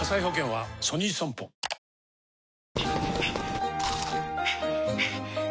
はっ！